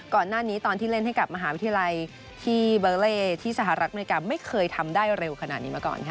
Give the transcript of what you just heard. ก่อนหน้านี้ตอนที่เล่นให้กับมหาวิทยาลัยที่เบอร์เล่ที่สหรัฐอเมริกาไม่เคยทำได้เร็วขนาดนี้มาก่อนค่ะ